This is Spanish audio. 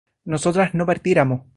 nosotras no partiéramos